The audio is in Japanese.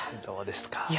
どうですか？